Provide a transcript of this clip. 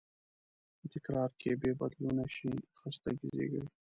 خو تکرار که بېبدلونه شي، خستګي زېږوي.